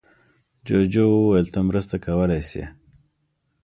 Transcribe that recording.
جوجو وویل ته مرسته کولی شې.